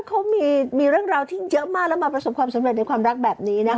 เขามีเรื่องราวที่เยอะมากแล้วมาประสบความสำเร็จในความรักแบบนี้นะคะ